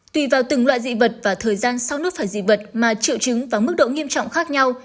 tùy vào từng loại dị vật và thời gian sau nốt phải dị vật mà triệu chứng và mức độ nghiêm trọng khác nhau